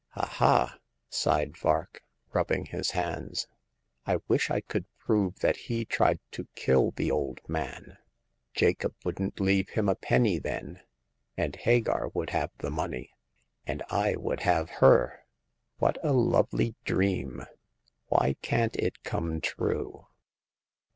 Aha !" sighed Vark, rubbing his hands, I wish I could prove that he tried to kill the old man. Jacob wouldn't leave him a penny then, and Hagar would have the money, and I would have The Coming of Hagar. 25 her. What a lovely dream ! Why can't it come true